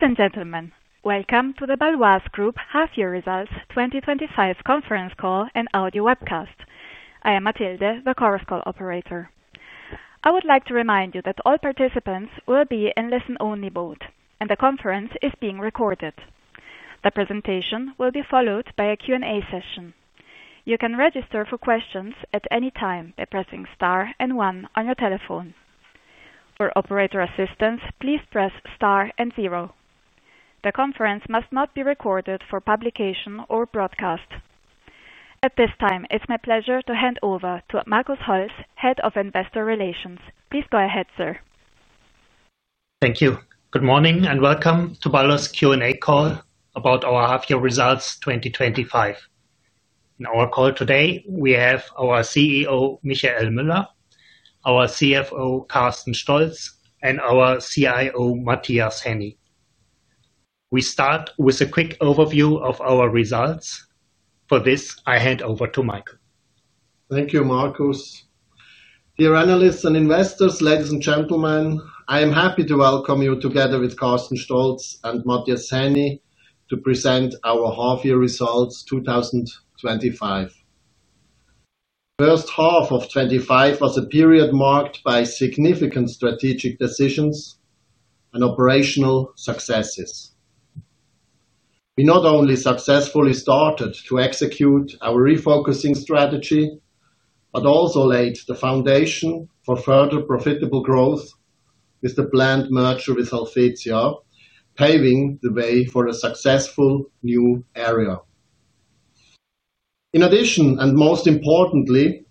Ladies and gentlemen, welcome to the Bâloise Group Half Year Results 2025 Conference Call and Audio Webcast. I am Mathilde, the Chorus Call operator. I would like to remind you that all participants will be in a listen-only mode, and the conference is being recorded. The presentation will be followed by a Q&A session. You can register for questions at any time by pressing star and one on your telephone. For operator assistance, please press star and zero. The conference must not be recorded for publication or broadcast. At this time, it's my pleasure to hand over to Markus Holz, Head of Investor Relations. Please go ahead, sir. Thank you. Good morning and welcome to Bâloise's Q&A call about our Half Year Results 2025. In our call today, we have our CEO, Michiel Müller, our CFO, Carsten Stolz, and our CIO, Matthias Henny. We start with a quick overview of our results. For this, I hand over to Michiel. Thank you, Markus. Dear analysts and investors, ladies and gentlemen, I am happy to welcome you together with Carsten Stolz and Matthias Henny to present our Half Year Results 2025. The first half of 2025 was a period marked by significant strategic decisions and operational successes. We not only successfully started to execute our refocusing strategy, but also laid the foundation for further profitable growth with the planned merger with Helvetia, paving the way for a successful new era. In addition, and most importantly,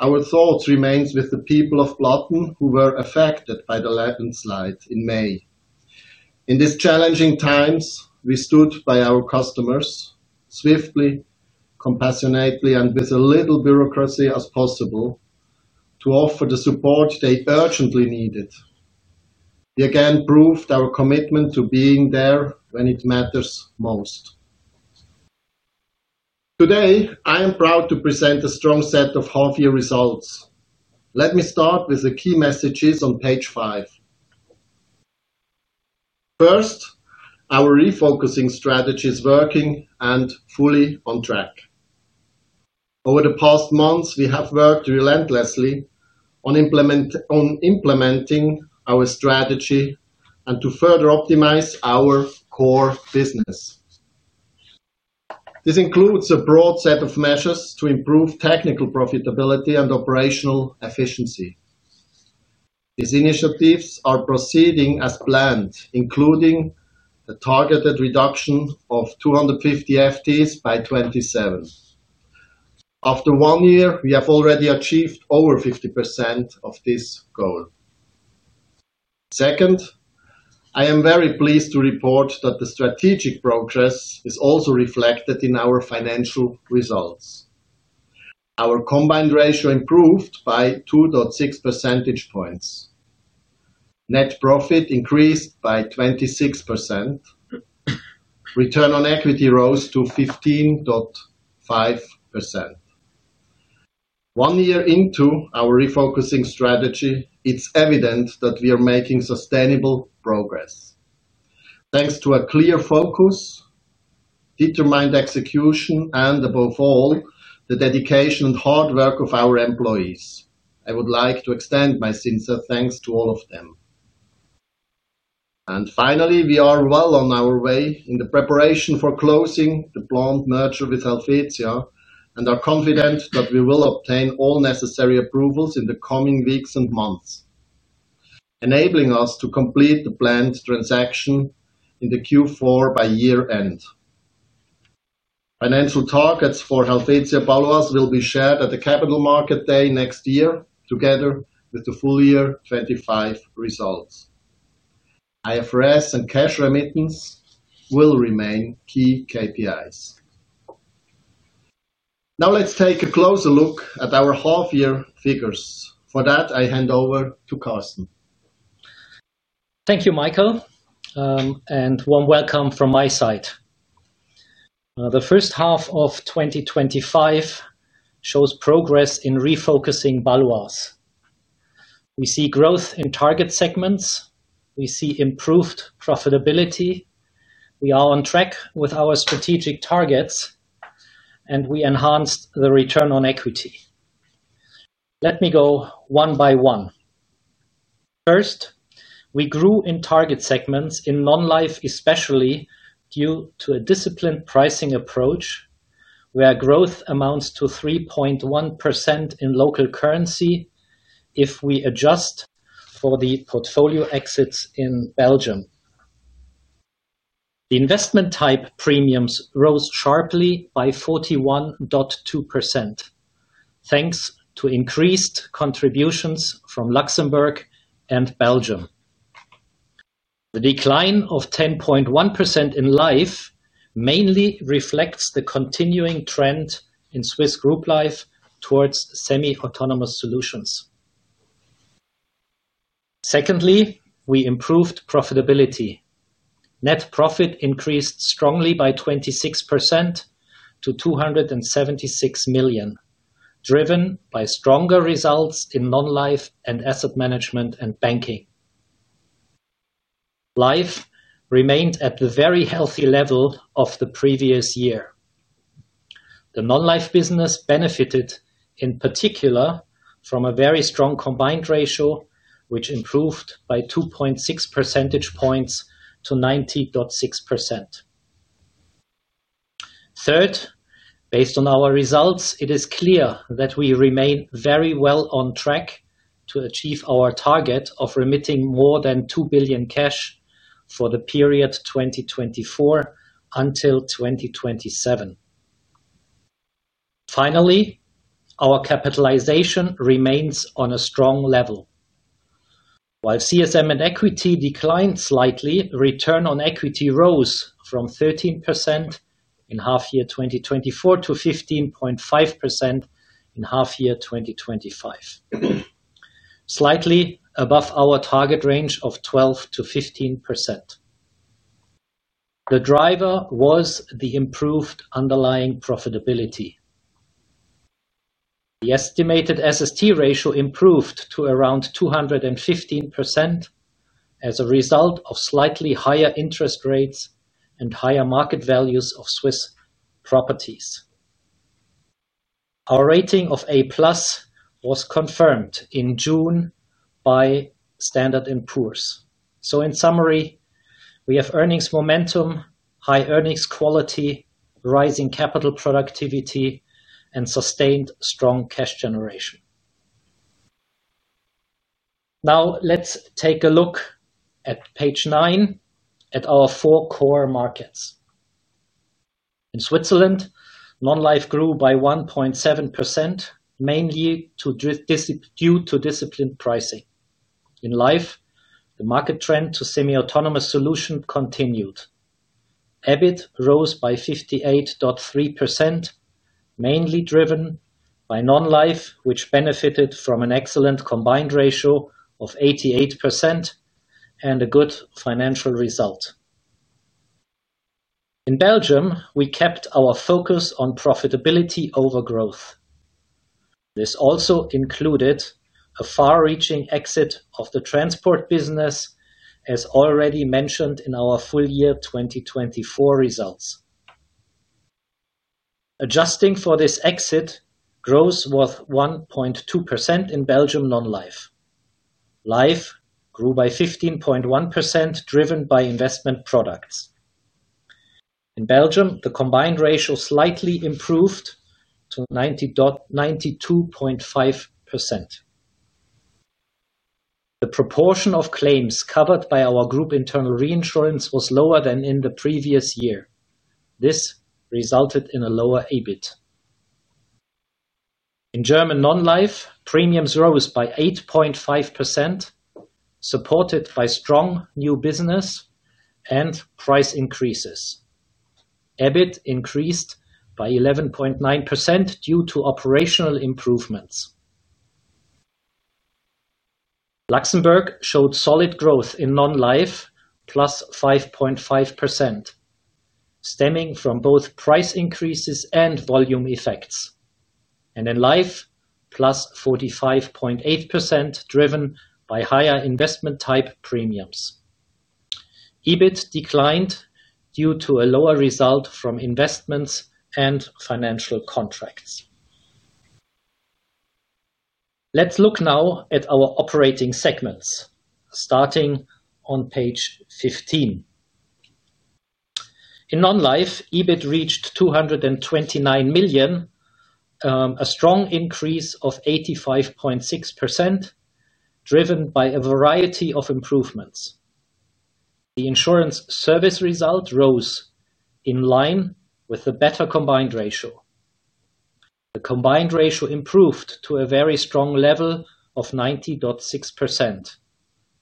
our thoughts remain with the people of Blatten, who were affected by the landslide in May. In these challenging times, we stood by our customers swiftly, compassionately, and with as little bureaucracy as possible to offer the support they urgently needed. We again proved our commitment to being there when it matters most. Today, I am proud to present a strong set of Half Year Results. Let me start with the key messages on page five. First, our refocusing strategy is working and fully on track. Over the past months, we have worked relentlessly on implementing our strategy and to further optimize our core business. This includes a broad set of measures to improve technical profitability and operational efficiency. These initiatives are proceeding as planned, including a targeted reduction of 250 FTEs by 2027. After one year, we have already achieved over 50% of this goal. Second, I am very pleased to report that the strategic progress is also reflected in our financial results. Our combined ratio improved by 2.6 percentage points. Net profit increased by 26%. Return on equity rose to 15.5%. One year into our refocusing strategy, it's evident that we are making sustainable progress thanks to a clear focus, determined execution, and above all, the dedication and hard work of our employees. I would like to extend my sincere thanks to all of them. Finally, we are well on our way in the preparation for closing the planned merger with Helvetia, and are confident that we will obtain all necessary approvals in the coming weeks and months, enabling us to complete the planned transaction in Q4 by year-end. Financial targets for Helvetia Bâloise will be shared at the Capital Market Day next year, together with the full-year 2025 results. IFRS and cash remittance will remain key KPIs. Now let's take a closer look at our Half Year figures. For that, I hand over to Carsten. Thank you, Michiel, and warm welcome from my side. The first half of 2025 shows progress in refocusing Bâloise. We see growth in target segments. We see improved profitability. We are on track with our strategic targets, and we enhanced the return on equity. Let me go one by one. First, we grew in target segments in non-life, especially due to a disciplined pricing approach where growth amounts to 3.1% in local currency if we adjust for the portfolio exits in Belgium. The investment-type premiums rose sharply by 41.2% thanks to increased contributions from Luxembourg and Belgium. The decline of 10.1% in life mainly reflects the continuing trend in Swiss Group Life towards semi-autonomous solutions. Secondly, we improved profitability. Net profit increased strongly by 26% to 276 million, driven by stronger results in non-life and asset management and banking. Life remained at the very healthy level of the previous year. The non-life business benefited in particular from a very strong combined ratio, which improved by 2.6 percentage points to 90.6%. Third, based on our results, it is clear that we remain very well on track to achieve our target of remitting more than 2 billion cash for the period 2024 until 2027. Finally, our capitalization remains on a strong level. While CSM and equity declined slightly, return on equity rose from 13% in half year 2024 to 15.5% in half year 2025, slightly above our target range of 12%-15%. The driver was the improved underlying profitability. The estimated SST ratio improved to around 215% as a result of slightly higher interest rates and higher market values of Swiss properties. Our rating of A+ was confirmed in June by Standard & Poor’s. In summary, we have earnings momentum, high earnings quality, rising capital productivity, and sustained strong cash generation. Now let's take a look at page nine at our four core markets. In Switzerland, non-life grew by 1.7%, mainly due to disciplined pricing. In life, the market trend to semi-autonomous solutions continued. EBIT rose by 58.3%, mainly driven by non-life, which benefited from an excellent combined ratio of 88% and a good financial result. In Belgium, we kept our focus on profitability over growth. This also included a far-reaching exit of the transport business, as already mentioned in our full-year 2024 results. Adjusting for this exit, growth was 1.2% in Belgium non-life. Life grew by 15.1%, driven by investment products. In Belgium, the combined ratio slightly improved to 92.5%. The proportion of claims covered by our group internal reinsurance was lower than in the previous year. This resulted in a lower EBIT. In German non-life, premiums rose by 8.5%, supported by strong new business and price increases. EBIT increased by 11.9% due to operational improvements. Luxembourg showed solid growth in non-life, plus 5.5%, stemming from both price increases and volume effects. In life, plus 45.8%, driven by higher investment-type premiums. EBIT declined due to a lower result from investments and financial contracts. Let's look now at our operating segments, starting on page 15. In non-life, EBIT reached 229 million, a strong increase of 85.6%, driven by a variety of improvements. The insurance service result rose in line with the better combined ratio. The combined ratio improved to a very strong level of 90.6%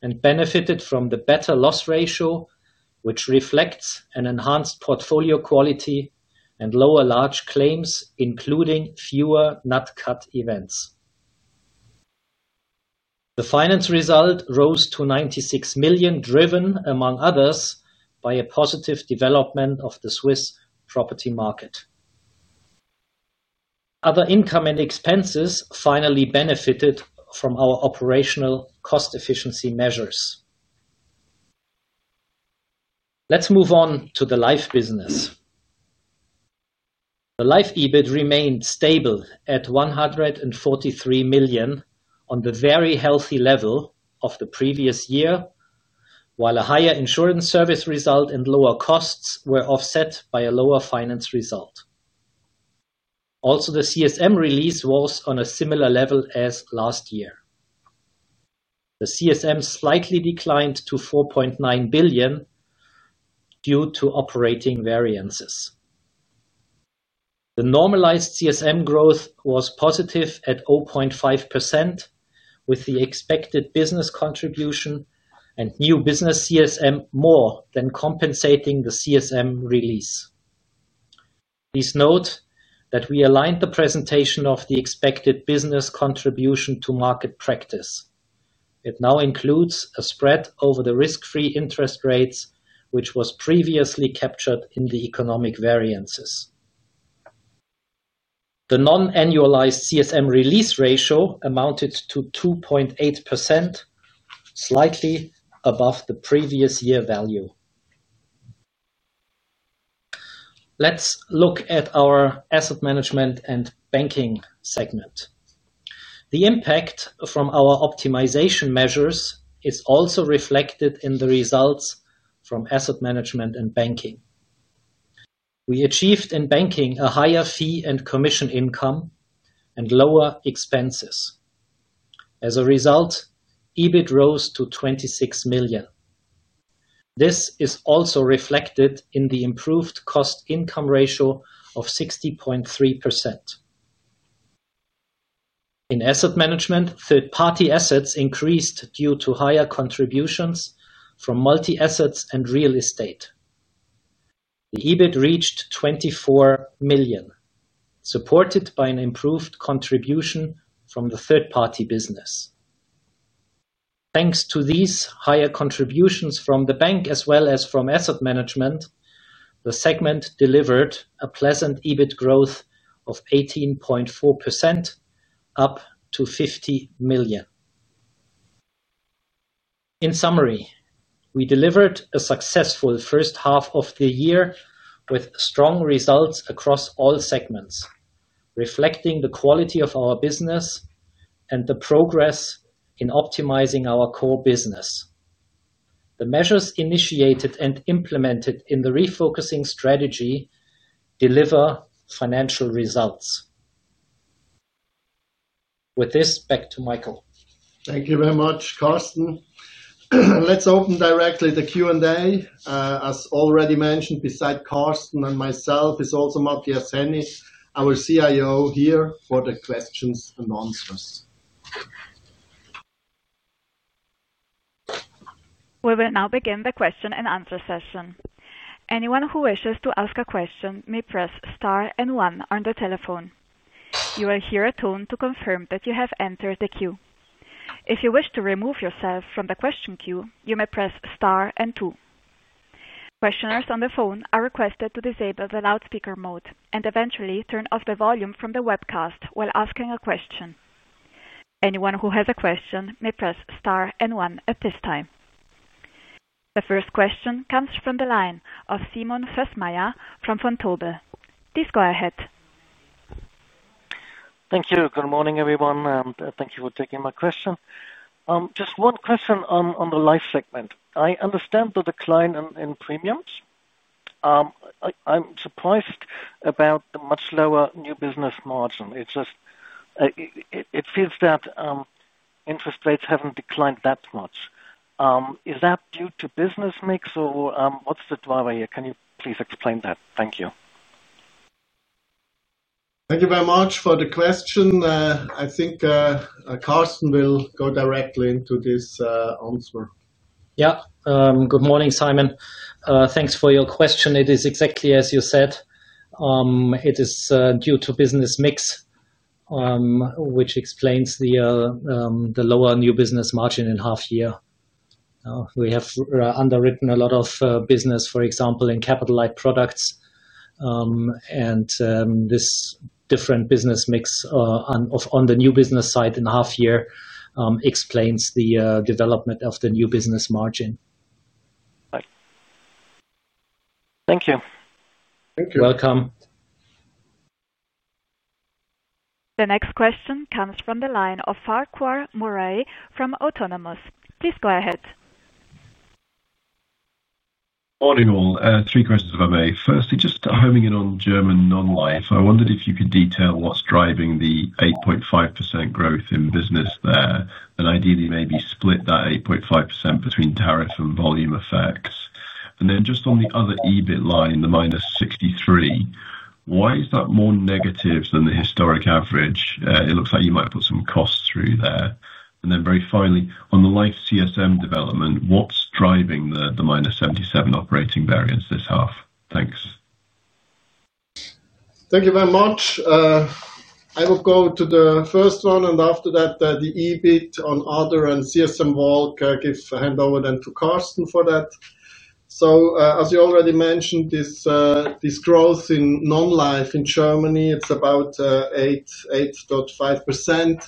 and benefited from the better loss ratio, which reflects an enhanced portfolio quality and lower large claims, including fewer Nat-Cat events. The finance result rose to 96 million, driven, among others, by a positive development of the Swiss property market. Other income and expenses finally benefited from our operational cost efficiency measures. Let's move on to the life business. The life EBIT remained stable at 143 million on the very healthy level of the previous year, while a higher insurance service result and lower costs were offset by a lower finance result. Also, the CSM release was on a similar level as last year. The CSM slightly declined to 4.9 billion due to operating variances. The normalized CSM growth was positive at 0.5%, with the expected business contribution and new business CSM more than compensating the CSM release. Please note that we aligned the presentation of the expected business contribution to market practice. It now includes a spread over the risk-free interest rates, which was previously captured in the economic variances. The non-annualized CSM release ratio amounted to 2.8%, slightly above the previous year value. Let's look at our asset management and banking segment. The impact from our optimization measures is also reflected in the results from asset management and banking. We achieved in banking a higher fee and commission income and lower expenses. As a result, EBIT rose to 26 million. This is also reflected in the improved cost-income ratio of 60.3%. In asset management, third-party assets increased due to higher contributions from multi-assets and real estate. The EBIT reached 24 million, supported by an improved contribution from the third-party business. Thanks to these higher contributions from the bank, as well as from asset management, the segment delivered a pleasant EBIT growth of 18.4%, up to 50 million. In summary, we delivered a successful first half of the year with strong results across all segments, reflecting the quality of our business and the progress in optimizing our core business. The measures initiated and implemented in the refocusing strategy deliver financial results. With this, back to Michiel Müller. Thank you very much, Carsten. Let's open directly to Q&A. As already mentioned, besides Carsten and myself, Matthias Henny, our CIO, is also here for the questions and answers. We will now begin the question and answer session. Anyone who wishes to ask a question may press star and one on the telephone. You will hear a tone to confirm that you have entered the queue. If you wish to remove yourself from the question queue, you may press star and two. Questioners on the phone are requested to disable the loudspeaker mode and eventually turn off the volume from the webcast while asking a question. Anyone who has a question may press star and one at this time. The first question comes from the line of Simon Fössmeier from Vontobel. Please go ahead. Thank you. Good morning, everyone, and thank you for taking my question. Just one question on the life segment. I understand the decline in premiums. I'm surprised about the much lower new business margin. It just feels that interest rates haven't declined that much. Is that due to business mix, or what's the driver here? Can you please explain that? Thank you. Thank you very much for the question. I think Carsten will go directly into this answer. Yeah. Good morning, Simon. Thanks for your question. It is exactly as you said. It is due to business mix, which explains the lower new business margin in half year. We have underwritten a lot of business, for example, in capital-like products, and this different business mix on the new business side in half year explains the development of the new business margin. Thank you. Thank you. You're welcome. The next question comes from the line of Farquhar Murray from Autonomous. Please go ahead. Morning all. Three questions, if I may. Firstly, just homing in on German non-life. I wondered if you could detail what's driving the 8.5% growth in business there, and ideally maybe split that 8.5% between tariff and volume effects. On the other EBIT line in the minus 63, why is that more negative than the historic average? It looks like you might have put some costs through there. Very finally, on the life contractual service margin development, what's driving the -77 operating variance this half? Thanks. Thank you very much. I will go to the first one, and after that, the EBIT on other and CSM work. I give a handover then to Carsten for that. As you already mentioned, this growth in non-life in Germany, it's about 8.5%.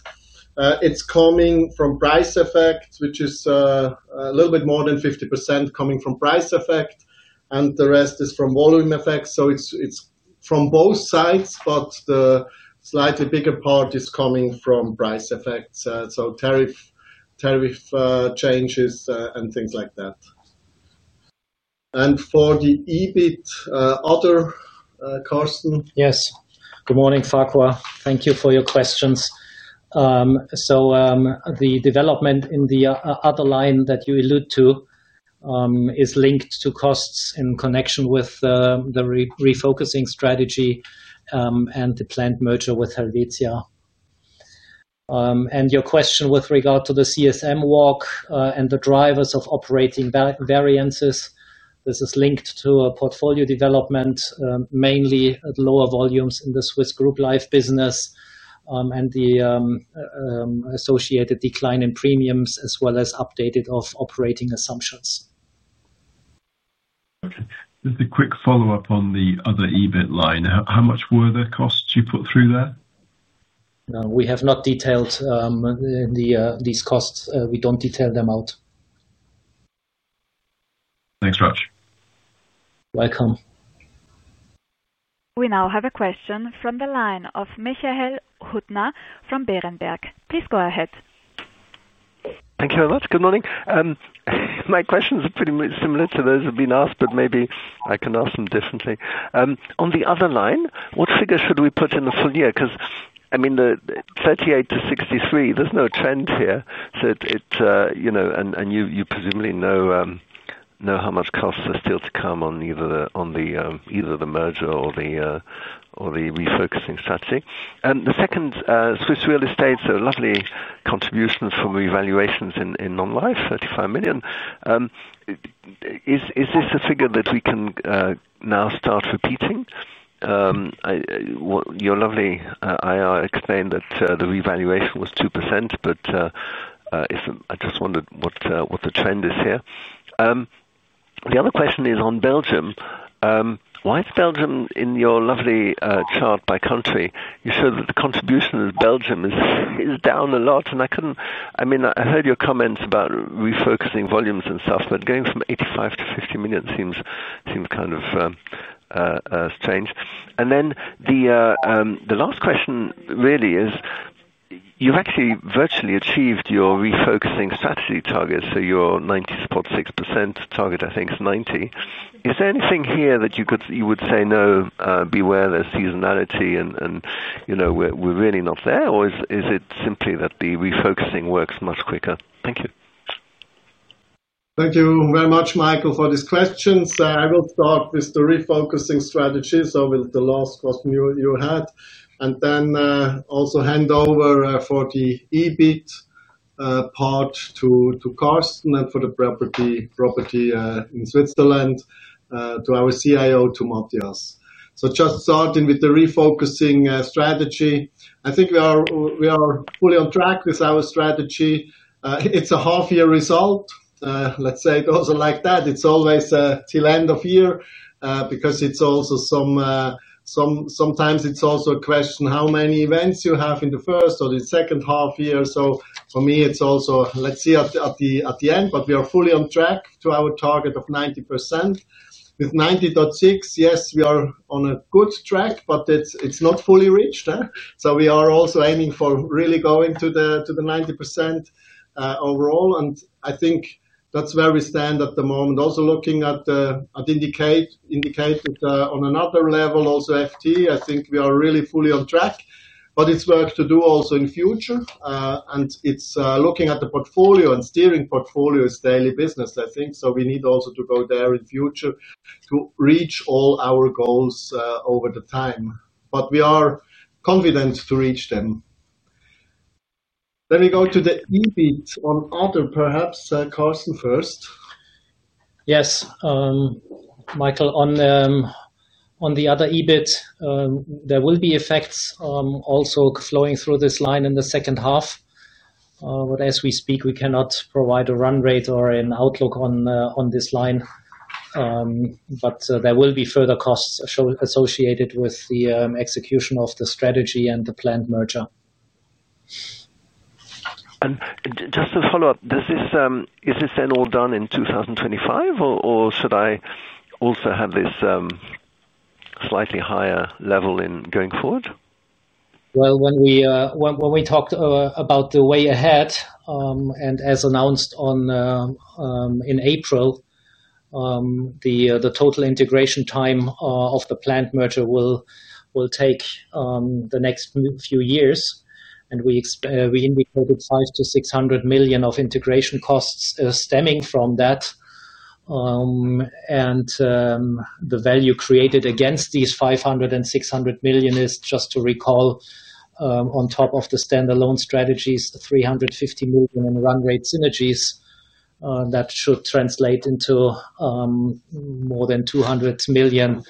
It's coming from price effect, which is a little bit more than 50% coming from price effect, and the rest is from volume effects. It's from both sides, but the slightly bigger part is coming from price effects. Tariff changes and things like that. For the EBIT, other, Carsten. Yes. Good morning, Farquhar. Thank you for your questions. The development in the other line that you alluded to is linked to costs in connection with the refocusing strategy and the planned merger with Helvetia. Your question with regard to the CSM work and the drivers of operating variances is linked to a portfolio development, mainly at lower volumes in the Swiss Group Life business and the associated decline in premiums, as well as updated operating assumptions. Okay. Just a quick follow-up on the other EBIT line. How much were the costs you put through there? We have not detailed these costs. We don't detail them out. Thanks very much. Welcome. We now have a question from the line of Michael Huttner from Berenberg. Please go ahead. Thank you very much. Good morning. My questions are pretty similar to those that have been asked, but maybe I can ask them differently. On the other line, what figure should we put in the full-year? I mean, the 38-63, there's no trend here. You presumably know how much costs are still to come on either the merger or the refocusing strategy. The second, Swiss Real Estate, so lovely contributions from revaluations in non-life, 35 million. Is this a figure that we can now start repeating? Your lovely IR explained that the revaluation was 2%, but I just wondered what the trend is here. The other question is on Belgium. Why is Belgium in your lovely chart by country? You showed that the contribution in Belgium is down a lot. I heard your comments about refocusing volumes and stuff, but going from 85 million- 50 million seems kind of strange. The last question really is, you've actually virtually achieved your refocusing strategy targets. Your 90.6% target, I think, is 90%. Is there anything here that you would say, no, beware, there's seasonality, and you know we're really not there, or is it simply that the refocusing works much quicker? Thank you. Thank you very much, Michael, for this question. I will start with the refocusing strategy, with the last question you had, and then also hand over for the EBIT part to Carsten and for the property in Switzerland to our CIO, to Matthias. Just starting with the refocusing strategy, I think we are fully on track with our strategy. It's a half-year result. Let's say it also like that. It's always till end of year because it's also sometimes a question how many events you have in the first or the second half year. For me, it's also, let's see at the end, but we are fully on track to our target of 90%. With 90.6%, yes, we are on a good track, but it's not fully reached. We are also aiming for really going to the 90% overall, and I think that's very standard at the moment. Also looking at indicators on another level, also FTE, I think we are really fully on track, but it's worth to do also in the future. Looking at the portfolio and steering portfolio is daily business, I think. We need also to go there in the future to reach all our goals over the time, but we are confident to reach them. We go to the EBIT on other, perhaps Carsten first. Yes. Michael, on the other EBIT, there will be effects also flowing through this line in the second half. As we speak, we cannot provide a run rate or an outlook on this line. There will be further costs associated with the execution of the strategy and the planned merger. Just to follow up, is this then all done in 2025, or should I also have this slightly higher level going forward? When we talked about the way ahead, as announced in April, the total integration time of the planned merger will take the next few years. We indicated 500- 600 million of integration costs stemming from that. The value created against these 500- 600 million is, just to recall, on top of the standalone strategies, the 350 million in run-rate synergies. That should translate into more than 200 million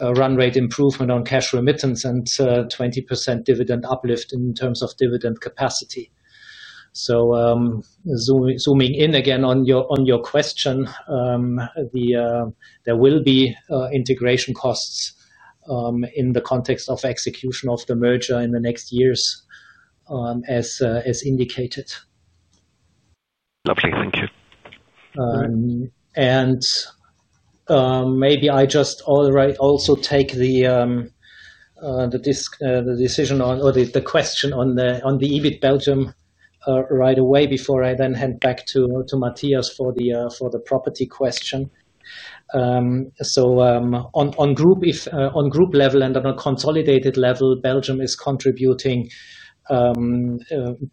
run-rate improvement on cash remittance and 20% dividend uplift in terms of dividend capacity. Zooming in again on your question, there will be integration costs in the context of execution of the merger in the next years, as indicated. Lovely. Thank you. I just also take the decision on or the question on the EBIT Belgium right away before I then hand back to Matthias for the property question. On group level and on a consolidated level, Belgium is contributing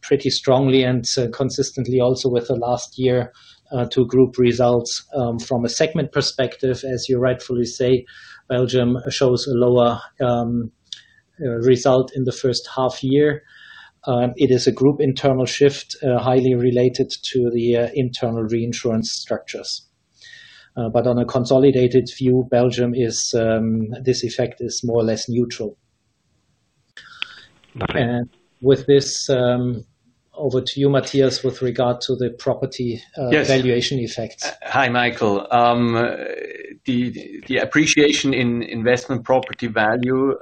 pretty strongly and consistently also with the last year to group results. From a segment perspective, as you rightfully say, Belgium shows a lower result in the first half year. It is a group internal shift highly related to the internal reinsurance structures. On a consolidated view, Belgium, this effect is more or less neutral. With this, over to you, Matthias, with regard to the property valuation effect. Hi, Michael. The appreciation in investment property value,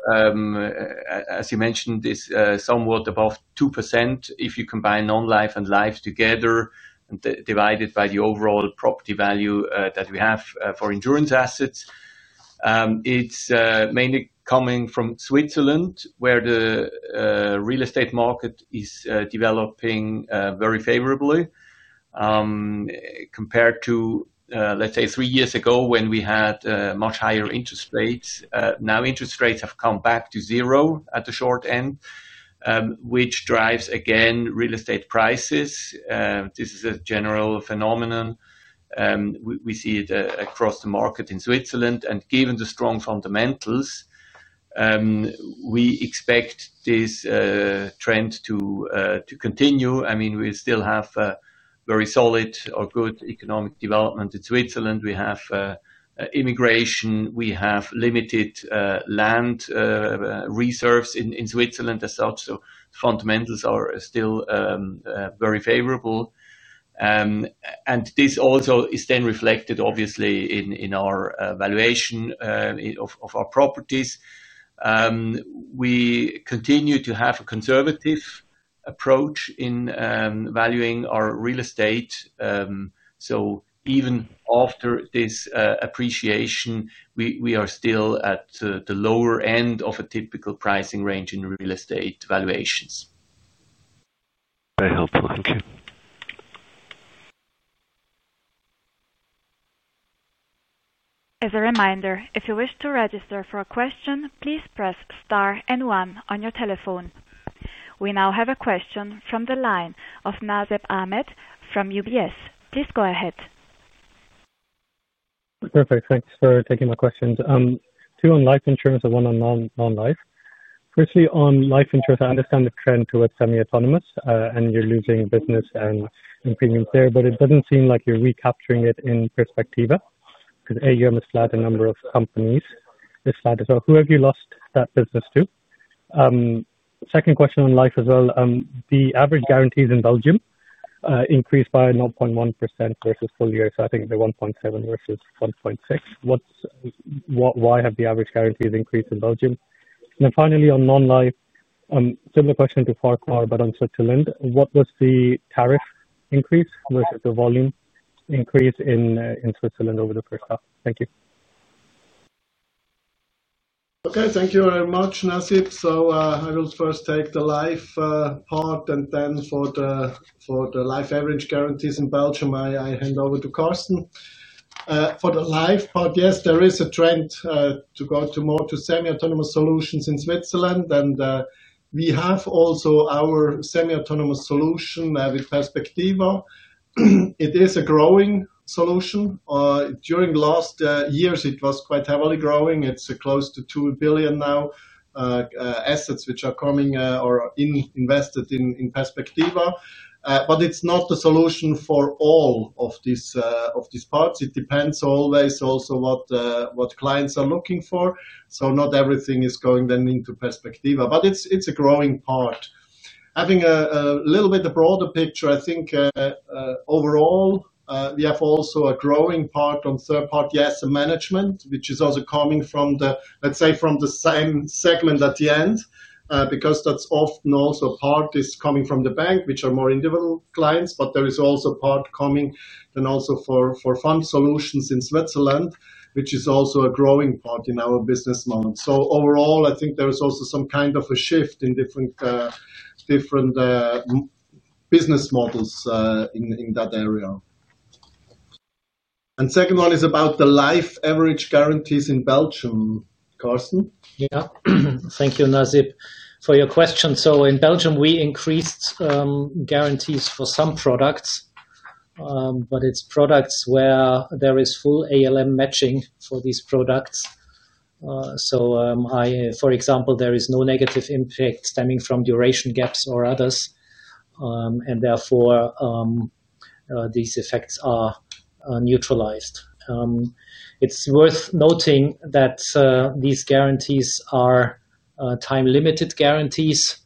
as you mentioned, is somewhat above 2% if you combine non-life and life together and divide it by the overall property value that we have for insurance assets. It's mainly coming from Switzerland, where the real estate market is developing very favorably compared to, let's say, three years ago when we had much higher interest rates. Now interest rates have come back to zero at the short end, which drives again real estate prices. This is a general phenomenon. We see it across the market in Switzerland. Given the strong fundamentals, we expect this trend to continue. I mean, we still have very solid or good economic development in Switzerland. We have immigration. We have limited land reserves in Switzerland as such. Fundamentals are still very favorable. This also is then reflected, obviously, in our valuation of our properties. We continue to have a conservative approach in valuing our real estate. Even after this appreciation, we are still at the lower end of a typical pricing range in real estate valuations. Very helpful. Thank you. As a reminder, if you wish to register for a question, please press star and one on your telephone. We now have a question from the line of Nazeb Ahmed from UBS. Please go ahead. Perfect. Thanks for taking my questions. Two on life insurance and one on non-life. Firstly, on life insurance, I understand the trend towards semi-autonomous and you're losing business and premiums there, but it doesn't seem like you're recapturing it in perspectiva because AUM is flat and the number of companies is flat as well. Who have you lost that business to? Second question on life as well. The average guarantees in Belgium increased by 0.1% versus full year. I think they're 1.7% versus 1.6%. Why have the average guarantees increased in Belgium? Finally, on non-life, similar question to Farquhar, but on Switzerland, what was the tariff increase versus the volume increase in Switzerland over the quarter? Thank you. Okay. Thank you very much, Nazib. I will first take the life part, and then for the life average guarantees in Belgium, I hand over to Carsten. For the life part, yes, there is a trend to go more to semi-autonomous solutions in Switzerland. We have also our semi-autonomous solution with Perspectiva. It is a growing solution. During the last years, it was quite heavily growing. It's close to 2 billion now, assets which are coming or invested in Perspectiva. It's not the solution for all of these parts, it depends always also what clients are looking for. Not everything is going then into Perspectiva, but it's a growing part. Having a little bit of a broader picture, I think overall, we have also a growing part on third-party asset management, which is also coming from the, let's say, from the same segment at the end because that's often also a part is coming from the bank, which are more individual clients. There is also a part coming and also for fund solutions in Switzerland, which is also a growing part in our business model. Overall, I think there is also some kind of a shift in different business models in that area. The second one is about the life average guarantees in Belgium, Carsten. Thank you, Nazib, for your question. In Belgium, we increased guarantees for some products, but it's products where there is full ALM matching for these products. For example, there is no negative impact stemming from duration gaps or others, and therefore, these effects are neutralized. It's worth noting that these guarantees are time-limited guarantees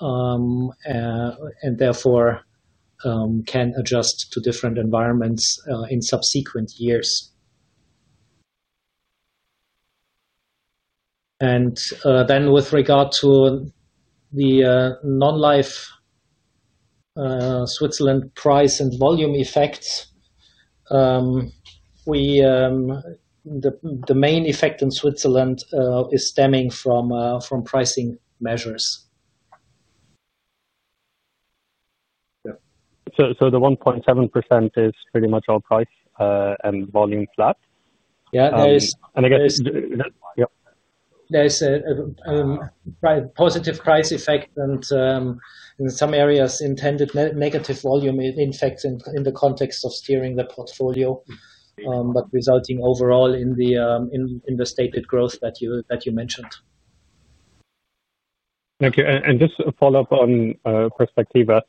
and therefore can adjust to different environments in subsequent years. With regard to the non-life Switzerland price and volume effects, the main effect in Switzerland is stemming from pricing measures. Yeah. The 1.7% is pretty much all price and volume flat. Yeah. I guess. Yeah. There's a positive price effect, and in some areas intended negative volume effects in the context of steering the portfolio, but resulting overall in the stated growth that you mentioned. Okay. Just to follow-up on Perspectiva,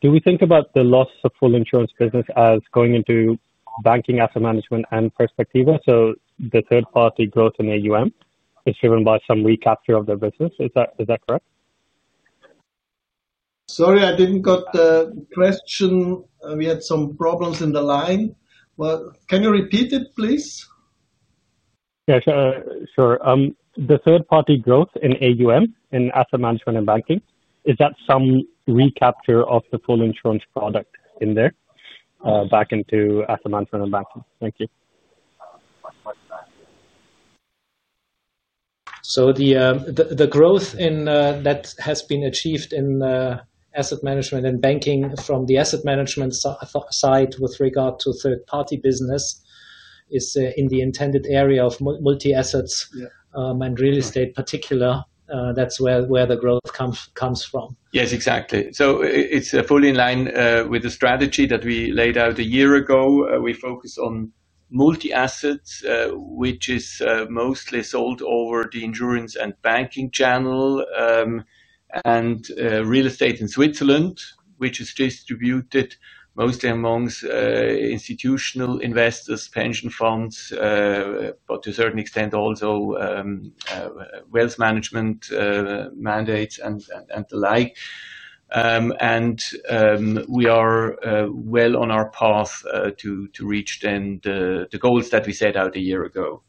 do we think about the loss of full insurance business as going into banking, asset management, and Perspectiva? The third-party growth in AUM is driven by some recapture of the business. Is that correct? Sorry, I didn't get the question. We had some problems in the line. Can you repeat it, please? Yeah. Sure. The third-party growth in AUM, in asset management and banking, is that some recapture of the full insurance product in there back into asset management and banking? Thank you. The growth that has been achieved in asset management and banking from the asset management side with regard to third-party business is in the intended area of multi-assets and real estate, in particular. That's where the growth comes from. Yes, exactly. It is fully in line with the strategy that we laid out a year ago. We focus on multi-assets, which is mostly sold over the insurance and banking channel, and real estate in Switzerland, which is distributed mostly amongst institutional investors, pension funds, but to a certain extent also wealth management mandates and the like. We are well on our path to reach the goals that we set out a year ago.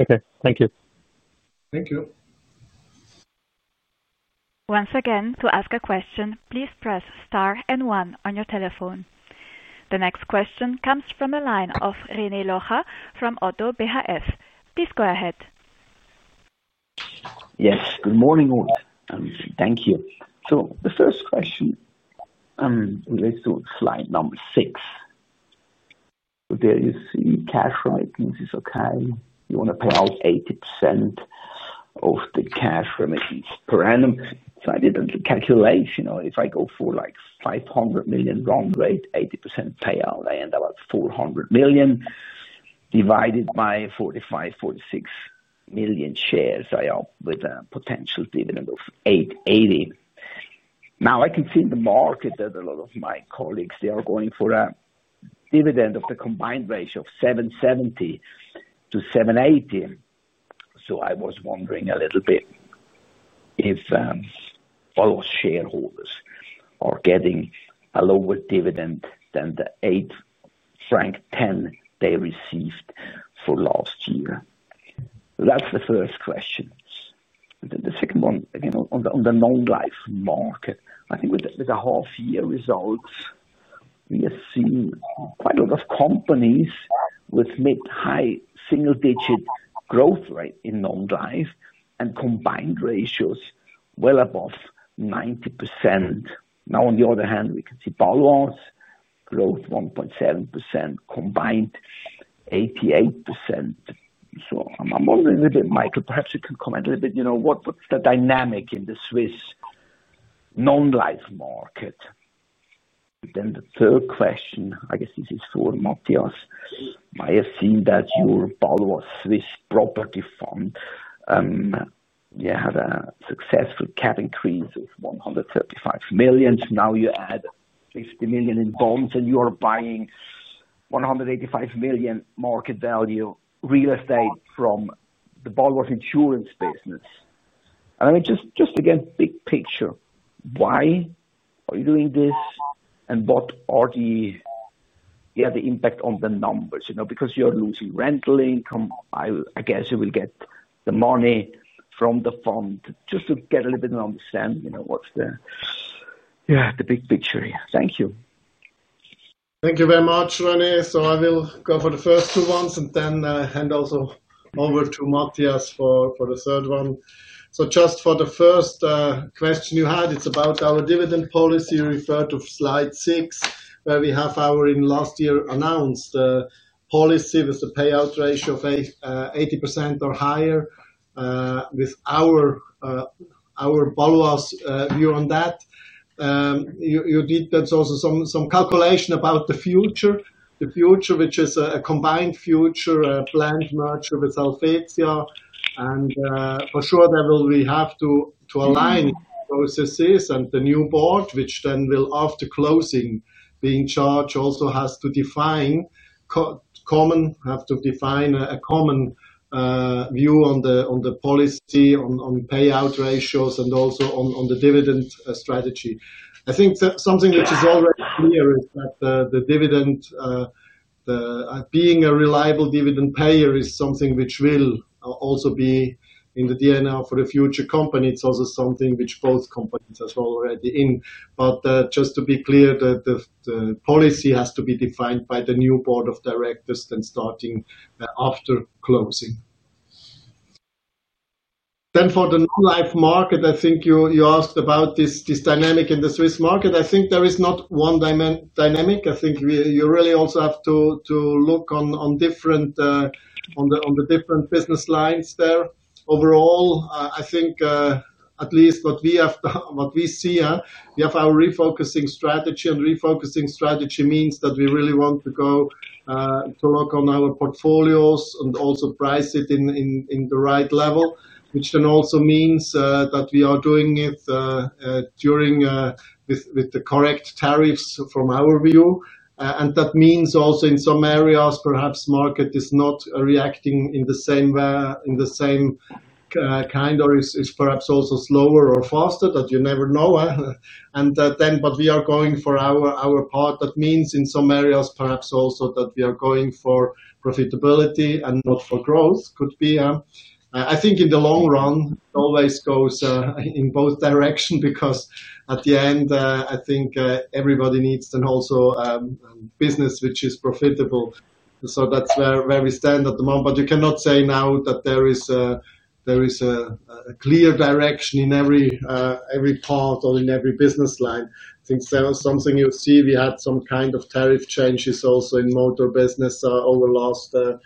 Okay, thank you. Thank you. Once again, to ask a question, please press star and one on your telephone. The next question comes from a line of René Locha from ODDO BHF. Please go ahead. Yes. Good morning all. Thank you. The first question, let's do slide number six. There you see cash remittance is okay. You want to pay out 80% of the cash remittance per annum. I did a calculation. If I go for like 500 million run rate, 80% payout, I end up at 400 million divided by 45 million, 46 million shares. I end up with a potential dividend of 8.80. Now I can see in the market that a lot of my colleagues, they are going for a dividend of the combined ratio of 7.70-7.80. I was wondering a little bit if all those shareholders are getting a lower dividend than the 8.10 franc they received for last year. That's the first question. The second one, again, on the non-life market, I think with the half-year results, we have seen quite a lot of companies with mid-high single-digit growth rate in non-life and combined ratios well above 90%. On the other hand, we can see Bâloise growth 1.7%, combined 88%. I'm wondering a little bit, Michiel, perhaps you can comment a little bit, you know what's the dynamic in the Swiss non-life market? The third question, I guess this is for Matthias. I have seen that your Bâloise Swiss Property Fund, you had a successful cap increase of 135 million. Now you add 50 million in bonds and you are buying 185 million market value real estate from the Bâloise insurance business. Just again, big picture, why are you doing this and what are the impact on the numbers? You know, because you're losing rental income. I guess you will get the money from the fund just to get a little bit of understanding of what's the, yeah, the big picture here. Thank you. Thank you very much, Rene. I will go for the first two ones and then hand also over to Matthias for the third one. Just for the first question you had, it's about our dividend policy. You referred to slide six, where we have our, in last year, announced the policy with the payout ratio of 80% or higher with our Bâloise view on that. You did also some calculation about the future, the future, which is a combined future, a planned merger with Helvetia. For sure, we have to align processes and the new board, which then will, after closing, be in charge, also has to define a common view on the policy, on payout ratios, and also on the dividend strategy. I think that something which is already clear is that the dividend, being a reliable dividend payer, is something which will also be in the DNA for the future company. It's also something which both companies are already in. Just to be clear, the policy has to be defined by the new board of directors and starting after closing. For the life market, I think you asked about this dynamic in the Swiss market. I think there is not one dynamic. I think you really also have to look on the different business lines there. Overall, I think at least what we have done, what we see, we have our refocusing strategy, and refocusing strategy means that we really want to go to look on our portfolios and also price it in the right level, which then also means that we are doing it with the correct tariffs from our view. That means also in some areas, perhaps the market is not reacting in the same way, in the same kind, or is perhaps also slower or faster, you never know. We are going for our part. That means in some areas, perhaps also that we are going for profitability and not for growth. Could be. I think in the long run, it always goes in both directions because at the end, I think everybody needs then also a business which is profitable. That's where we stand at the moment. You cannot say now that there is a clear direction in every part or in every business line. I think there is something you'll see. We had some kind of tariff changes also in motor business over the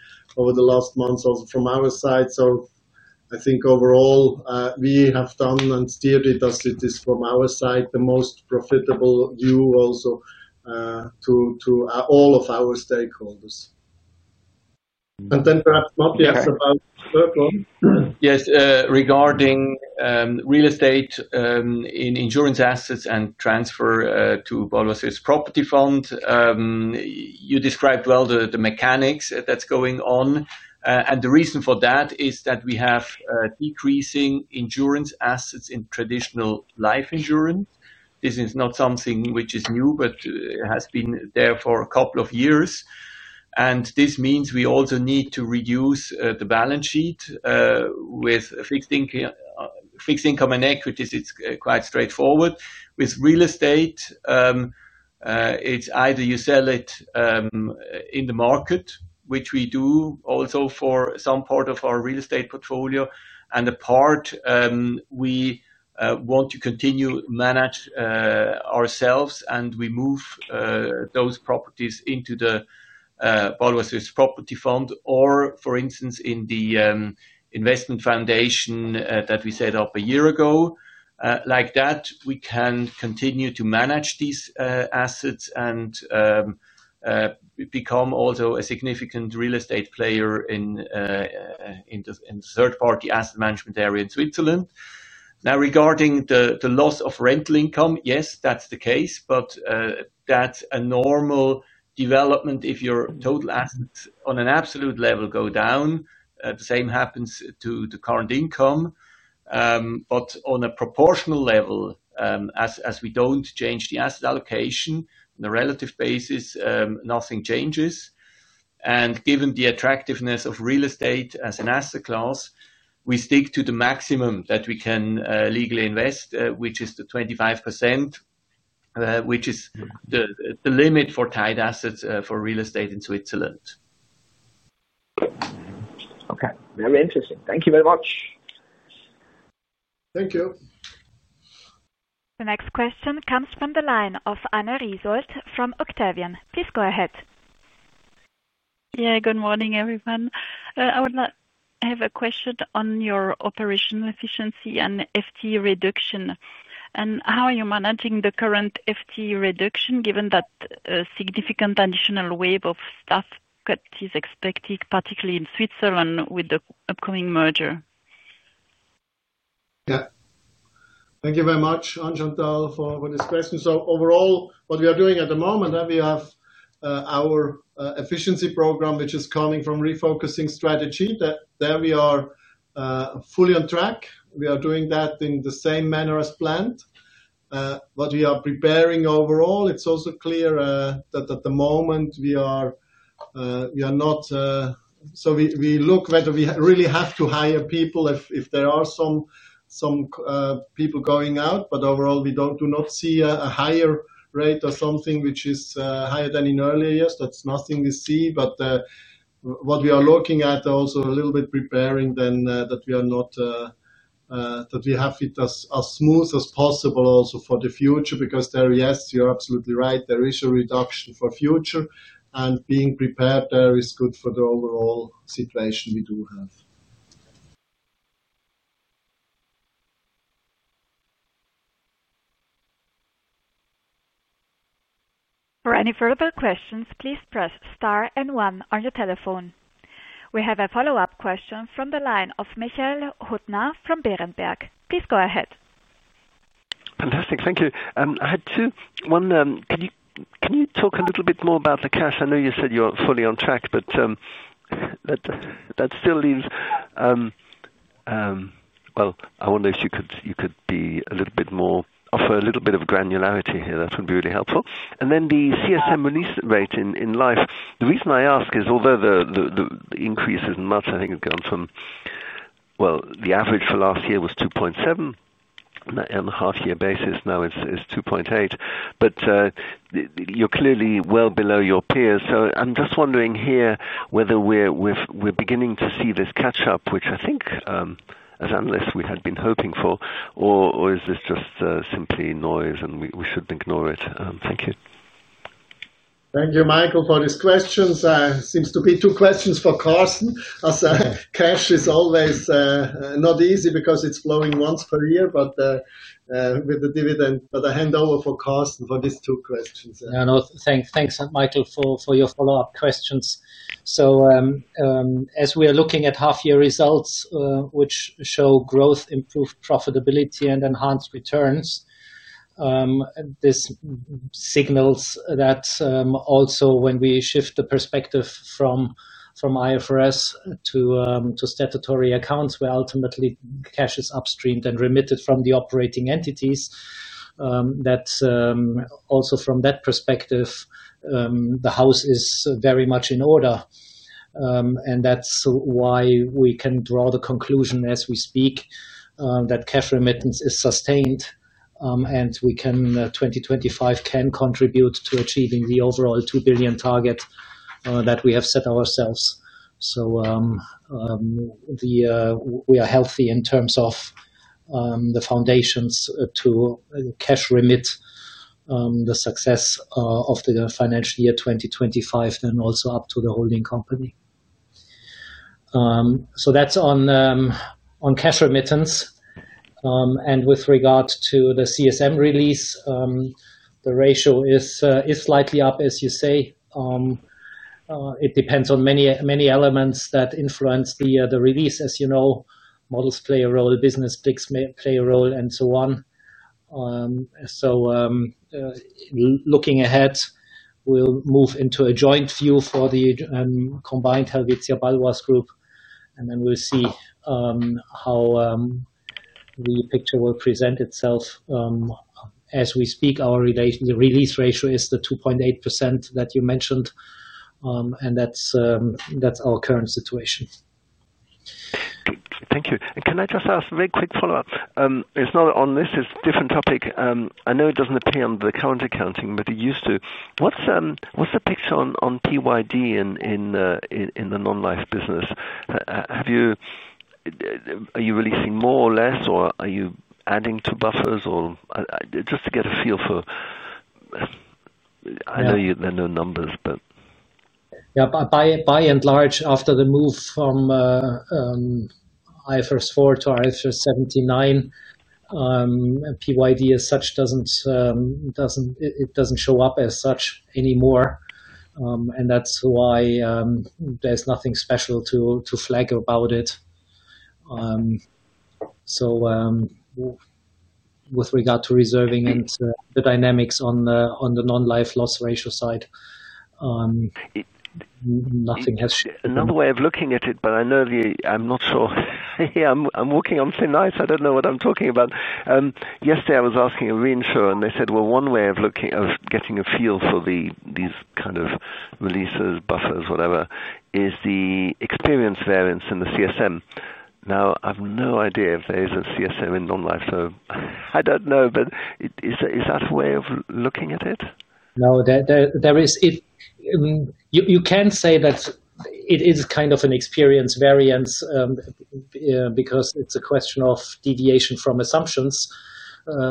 last months also from our side. Overall, we have done and steered it as it is from our side, the most profitable view also to all of our stakeholders. Perhaps Matthias for the third one. Yes. Regarding real estate in insurance assets and transfer to the Bâloise Swiss Property Fund, you described well the mechanics that's going on. The reason for that is that we have decreasing insurance assets in traditional life insurance. This is not something which is new, but it has been there for a couple of years. This means we also need to reduce the balance sheet with fixed income and equities. It's quite straightforward. With real estate, it's either you sell it in the market, which we do also for some part of our real estate portfolio, and the part we want to continue to manage ourselves, and we move those properties into the Bâloise Swiss Property Fund or, for instance, in the investment foundation that we set up a year ago. Like that, we can continue to manage these assets and become also a significant real estate player in the third-party asset management area in Switzerland. Now, regarding the loss of rental income, yes, that's the case, but that's a normal development if your total assets on an absolute level go down. The same happens to the current income. On a proportional level, as we don't change the asset allocation on a relative basis, nothing changes. Given the attractiveness of real estate as an asset class, we stick to the maximum that we can legally invest, which is 25%, which is the limit for tied assets for real estate in Switzerland. Okay. Very interesting. Thank you very much. Thank you. The next question comes from the line of Anne Risold from Octavian. Please go ahead. Good morning, everyone. I would like to have a question on your operational efficiency and FTE reduction. How are you managing the current FTE reduction given that a significant additional wave of staff cuts is expected, particularly in Switzerland with the upcoming merger? Thank you very much, Anne Chantal, for this question. Overall, what we are doing at the moment, we have our efficiency program, which is coming from refocusing strategy. We are fully on track. We are doing that in the same manner as planned. What we are preparing overall, it's also clear that at the moment we look whether we really have to hire people if there are some people going out. Overall, we do not see a higher rate or something which is higher than in earlier years. That's nothing we see but what we are looking at also a little bit preparing then that we have it as smooth as possible also for the future because there, yes, you're absolutely right. There is a reduction for future, and being prepared there is good for the overall situation we do have. For any further questions, please press star and one on your telephone. We have a follow-up question from the line of Michael Huttner from Berenberg. Please go ahead. Fantastic. Thank you. I had two. One, can you talk a little bit more about the cash? I know you said you're fully on track, that still leaves, I wonder if you could be a little bit more, offer a little bit of granularity here. That would be really helpful. The CSM release rate in life, the reason I ask is, although the increase is much, I think it's gone from, the average for last year was 2.7%. On a half-year basis, now it's 2.8%. You're clearly well below your peers. I'm just wondering here whether we're beginning to see this catch-up, which I think as analysts we had been hoping for, or is this just simply noise and we should ignore it? Thank you. Thank you, Michiel, for this question. There seem to be two questions for Carsten. As cash is always not easy because it's flowing once per year, with the dividend, I hand over to Carsten for these two questions. Yeah. No, thanks. Thanks, Michael, for your follow-up questions. As we are looking at half-year results, which show growth, improved profitability, and enhanced returns, this signals that also when we shift the perspective from IFRS to statutory accounts, where ultimately cash is upstreamed and remitted from the operating entities, that also from that perspective, the house is very much in order. That's why we can draw the conclusion as we speak that cash remittance is sustained, and we can 2025 can contribute to achieving the overall 2 billion target that we have set ourselves. We are healthy in terms of the foundations to cash remit the success of the financial year 2025, then also up to the holding company. That's on cash remittance and with regard to the CSM release, the ratio is slightly up, as you say. It depends on many elements that influence the release. As you know, models play a role, business picks play a role, and so on. Looking ahead, we'll move into a joint view for the combined Helvetia Bâloise Group, and then we'll see how the picture will present itself. As we speak, our release ratio is the 2.8% that you mentioned, and that's our current situation. Thank you. Can I just ask a very quick follow-up? It's not on this. It's a different topic. I know it doesn't appear on the current accounting, but it used to. What's the picture on TYD in the non-life business? Are you releasing more or less, or are you adding to buffers, just to get a feel for, I know you know numbers. Yeah. By and large, after the move from IFRS 4 to IFRS 17/9, PYD as such doesn't show up as such anymore. That's why there's nothing special to flag about it. With regard to reserving and the dynamics on the non-life loss ratio side, nothing has changed. Another way of looking at it, but I know I'm not sure. I'm walking on thin ice. I don't know what I'm talking about. Yesterday, I was asking a reinsurer, and they said one way of looking at getting a feel for these kind of releases, buffers, whatever, is the experience variance in the contractual service margin. Now, I have no idea if there is a contractual service margin in non-life. I don't know. Is that a way of looking at it? No. You can say that it is kind of an experience variance because it's a question of deviation from assumptions,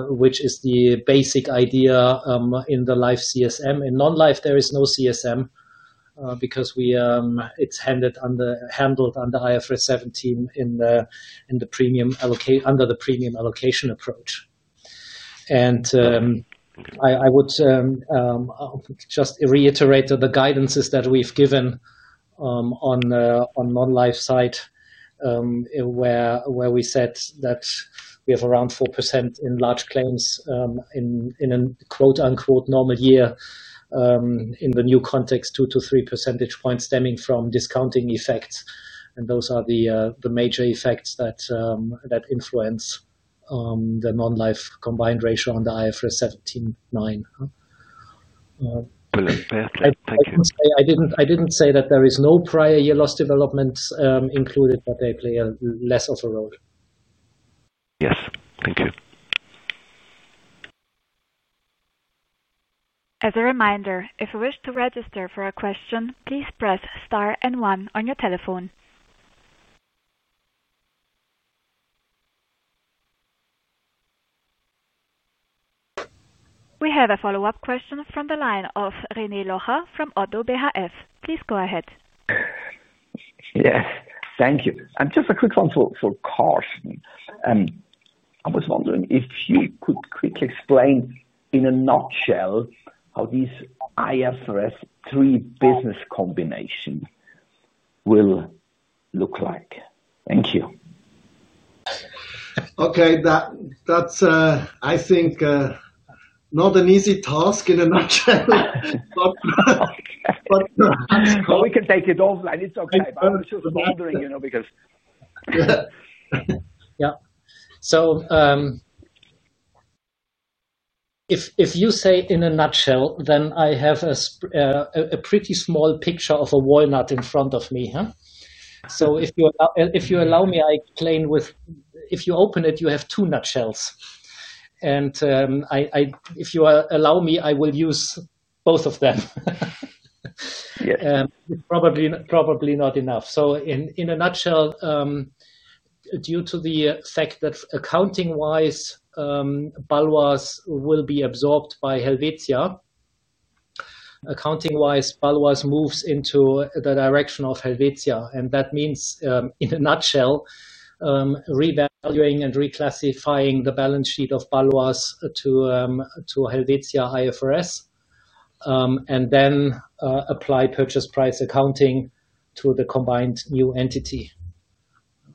which is the basic idea in the life CSM. In non-life, there is no CSM because it's handled under IFRS 17 under the premium allocation approach. I would just reiterate that the guidances that we've given on the non-life side, where we said that we have around 4% in large claims in a "normal year" in the new context, 2%-3% percentage points stemming from discounting effects. Those are the major effects that influence the non-life combined ratio on the IFRS 17/9. Brilliant. Thank you. I didn't say that there is no prior year loss development included, but they play less of a role. Yes, thank you. As a reminder, if you wish to register for a question, please press star and one on your telephone. We have a follow-up question from the line of René Locha from ODDO BHF. Please go ahead. Yes. Thank you. Just a quick one for Carsten. I was wondering if you could quickly explain in a nutshell how this IFRS 3 business combination will look like. Thank you. Okay, that's, I think, not an easy task in a nutshell. We can take it offline. It's okay. I'm just wondering, you know. Yeah. If you say in a nutshell, then I have a pretty small picture of a walnut in front of me. If you allow me, I claim if you open it, you have two nutshells. If you allow me, I will use both of them. Probably not enough so in a nutshell, due to the fact that accounting-wise, Bâloise will be absorbed by Helvetia, accounting-wise, Bâloise moves into the direction of Helvetia. That means, in a nutshell, revaluing and reclassifying the balance sheet of Bâloise to Helvetia IFRS and then apply purchase price accounting to the combined new entity.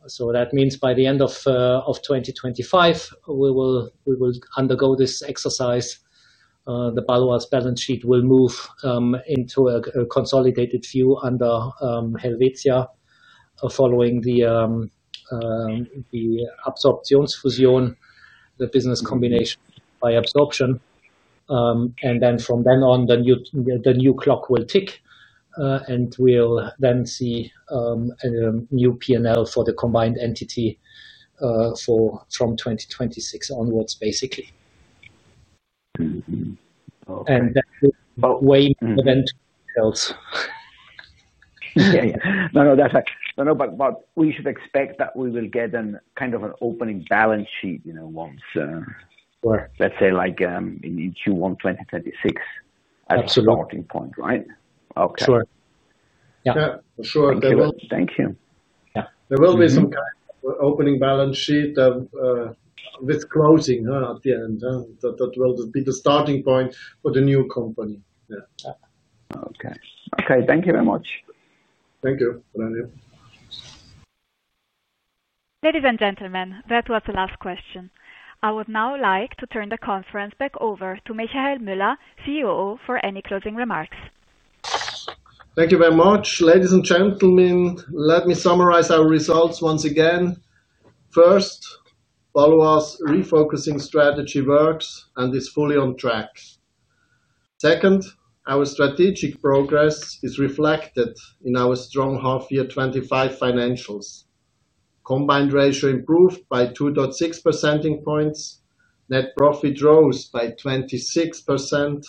That means by the end of 2025, we will undergo this exercise. The Bâloise balance sheet will move into a consolidated view under Helvetia following the absorption fusion, the business combination by absorption. From then on, the new clock will tick, and we'll then see a new P&L for the combined entity from 2026 onwards, basically. That's about way eventual details. That's right. We should expect that we will get a kind of an opening balance sheet once, let's say, like on June 1, 2026, as a starting point, right? Absolutely. Sure. Yeah, for sure. Thank you. Yeah, there will be some opening balance sheet with closing at the end. That will be the starting point for the new company. Okay. Thank you very much. Thank you. Ladies and gentlemen, that was the last question. I would now like to turn the conference back over to Michiel Müller, CEO, for any closing remarks. Thank you very much. Ladies and gentlemen, let me summarize our results once again. First, Bâloise refocusing strategy works and is fully on track. Second, our strategic progress is reflected in our strong half-year 2025 financials. Combined ratio improved by 2.6 percentage points. Net profit rose by 26%,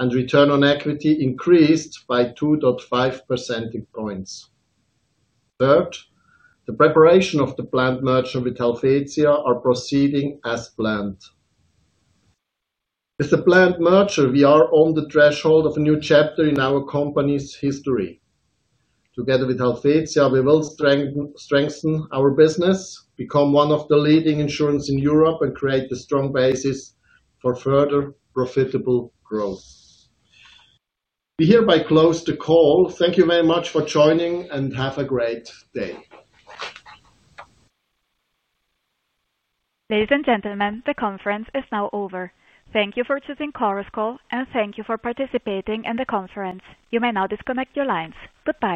and return on equity increased by 2.5 percentage points. Third, the preparation of the planned merger with Helvetia are proceeding as planned. With the planned merger, we are on the threshold of a new chapter in our company's history. Together with Helvetia, we will strengthen our business, become one of the leading insurers in Europe, and create a strong basis for further profitable growth. We hereby close the call. Thank you very much for joining and have a great day. Ladies and gentlemen, the conference is now over. Thank you for choosing Chorus Call, and thank you for participating in the conference. You may now disconnect your lines. Goodbye.